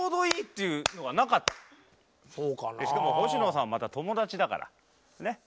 しかも星野さんまた友達だからねっ。